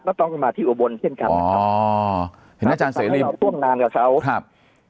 ก็ต้องมาที่อุบลเช่นกันอ๋อเห็นอาจารย์เสร็จให้เราจ้วมน้ำกับเขาครับ